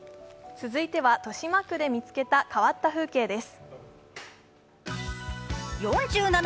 続いては豊島区で見つけた変わった風景です。